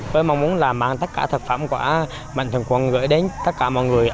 mình mong muốn là mang tất cả thực phẩm quả mạnh thương quản gửi đến tất cả mọi người